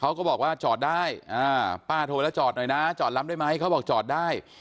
เขาก็บอกว่าจอดได้ป้าโทรแล้วจอดหน่อยนะจอดล้ำได้ไหมเขาบอกจอดได้